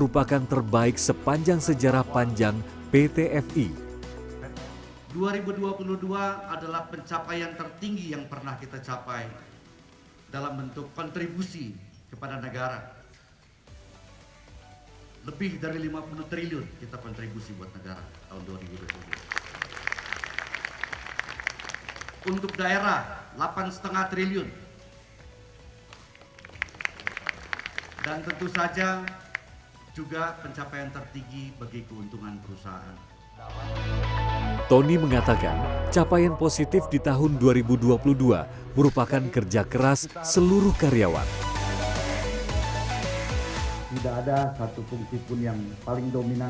melalui tema kita satu yang bertujuan untuk menyoroti sinergi dalam keberagaman karyawan pt fi